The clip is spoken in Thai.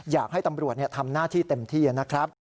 อยากให้ตำรวจทำหน้าที่เต็มที่นะครับ